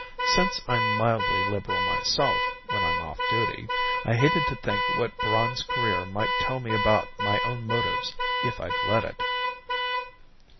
Since I'm mildly liberal myself when I'm off duty, I hated to think what Braun's career might tell me about my own motives, if I'd let it.